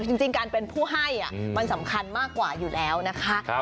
จริงการเป็นผู้ให้มันสำคัญมากกว่าอยู่แล้วนะคะ